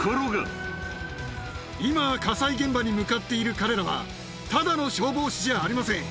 今、火災現場に向かっている彼らは、ただの消防士じゃありません。